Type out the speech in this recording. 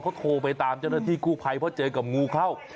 เขาโทรไปตามเจ้าหน้าที่กู้ภัยเพราะเจอกับงูเข้า